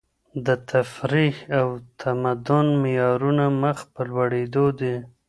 د تفريح او تمدن معيارونه مخ په لوړېدو دي.